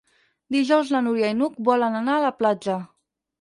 Dijous na Núria i n'Hug volen anar a la platja.